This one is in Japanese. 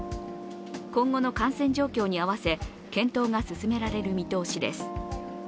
今後の感染状況に合わせ、検討が進められる見通しです。